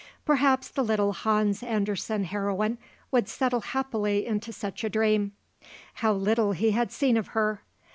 Perhaps the little Hans Andersen heroine would settle happily into such a dream. How little he had seen of her.